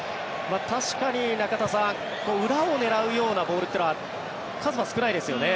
確かに中田さん裏を狙うようなボールというのは数は少ないですよね。